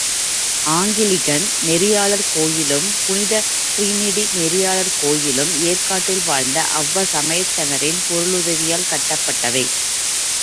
Anglican நெறியாளர் கோயிலும், புனித டிரினிடி நெறியாளர் கோயிலும் ஏர்க்காட்டில் வாழ்ந்த அவ்வச்சமயத்தாரின் பொருளுதவியால் கட்டப்பட்டவை.